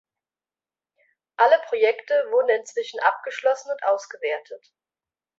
Alle Projekte wurden inzwischen abgeschlossen und ausgewertet.